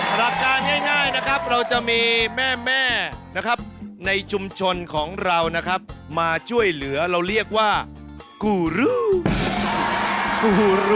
หลักการง่ายนะครับเราจะมีแม่นะครับในชุมชนของเรานะครับมาช่วยเหลือเราเรียกว่ากู้รู